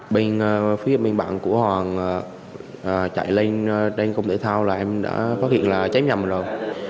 bên phía bên bạn của hoàng chạy lên công ty thể thao là em đã phát hiện là chém nhầm rồi